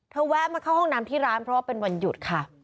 แวะมาเข้าห้องน้ำที่ร้านเพราะว่าเป็นวันหยุดค่ะ